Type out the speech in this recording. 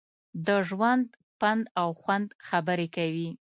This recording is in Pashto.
د ژوند، پند او خوند خبرې کوي.